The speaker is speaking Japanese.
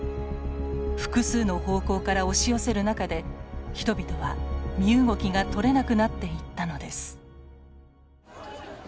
複数の方向から押し寄せる中で人々は身動きがとれなくなっていったのです。